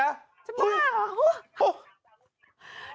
โอ๊ย